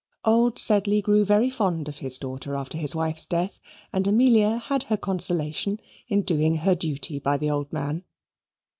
Old Sedley grew very fond of his daughter after his wife's death, and Amelia had her consolation in doing her duty by the old man.